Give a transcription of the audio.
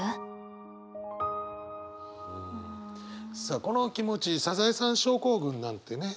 さあこの気持ち「サザエさん症候群」なんてね